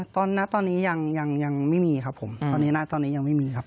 ตอนนี้ยังไม่มีครับผมตอนนี้ณตอนนี้ยังไม่มีครับ